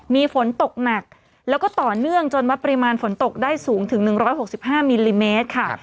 มีฝนตกหนักแล้วก็ต่อเนื่องจนวัดปริมาณฝนตกได้สูงถึง๑๖๕มิลลิเมตรค่ะ